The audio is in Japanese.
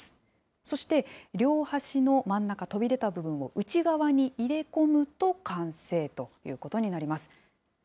そして、両端の真ん中、飛び出た部分を内側に入れ込むと完成ということになります。